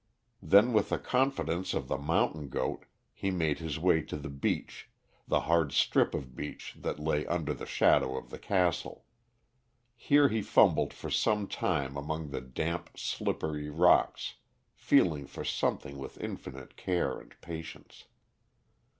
Then with the confidence of the mountain goat he made his way to the beach, the hard strip of beach that lay under the shadow of the castle. Here he fumbled for some time among the damp slippery rocks, feeling for something with infinite care and patience.